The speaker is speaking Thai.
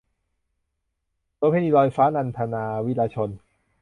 โสเภณีลอยฟ้า - นันทนา วีระชน